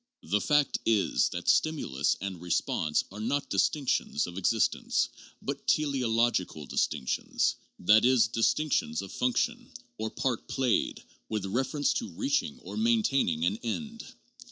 The fact i s that stimul us and reponse are not distinctions of existence, but teleological distinctions, that is, distinctions of function, or part played, with reference to reaching or maintaining an end.